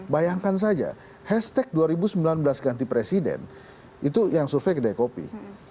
bayangkan saja hashtag dua ribu sembilan belas ganti presiden itu yang survei kedai kopi